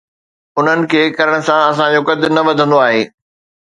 انهن کي ڪرڻ سان اسان جو قد نه وڌندو آهي.